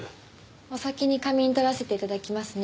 お先に仮眠取らせて頂きますね。